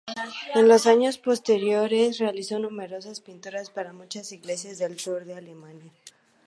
En los años posteriores realizó numerosas pinturas para muchas iglesias del sur de Alemania.